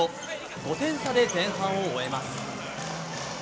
５点差で前半を終えます。